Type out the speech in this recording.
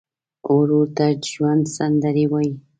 ورور ته د ژوند سندرې وایې.